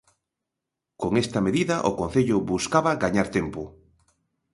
Con esta medida, o Concello buscaba gañar tempo.